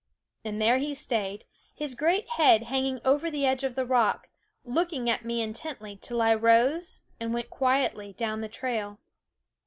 And there he stayed, his great head hanging over the edge of the rock, looking at me intently till I rose and went quietly down the trail.